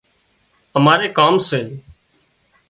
ماري ڪام سي